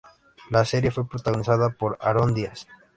La serie fue protagonizada por Aarón Díaz.